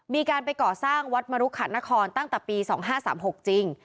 มีการไปก่อสร้างวัดมรุขัดนครตั้งแต่ปี๒๕๓๖จริง